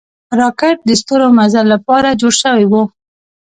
راکټ د ستورمزلو له پاره جوړ شوی و